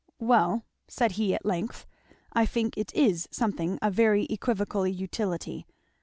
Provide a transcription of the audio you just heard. "Well," said he at length, "I think it is something of very equivocal utility.